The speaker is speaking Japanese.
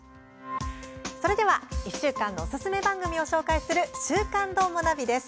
それでは、１週間のおすすめ番組を紹介する「週刊どーもナビ」です。